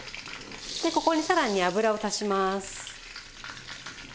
でここにさらに油を足します。